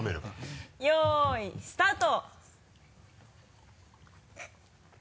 よいスタート。